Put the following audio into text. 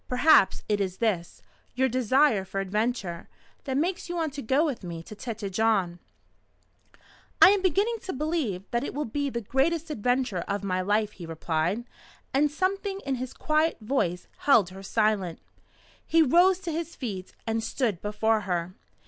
Perhaps it is this your desire for adventure that makes you want to go with me to Tête Jaune?" "I am beginning to believe that it will be the greatest adventure of my life," he replied, and something in his quiet voice held her silent. He rose to his feet, and stood before her.